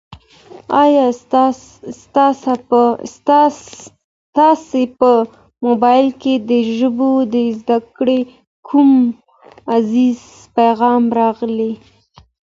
ایا ستا په موبایل کي د ژبو د زده کړې کوم غږیز پیغام راغلی؟